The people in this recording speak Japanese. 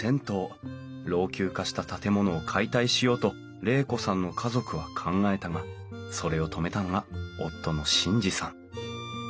老朽化した建物を解体しようと玲子さんの家族は考えたがそれを止めたのが夫の眞二さん。